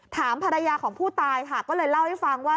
ถามภรรยาของผู้ตายค่ะก็เลยเล่าให้ฟังว่า